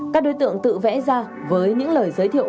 các đối tượng tự vẽ ra với những lời giới thiệu